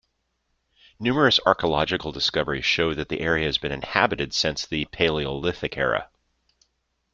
Numerous archaeological discoveries show that the area has been inhabited since the Paleolithic era.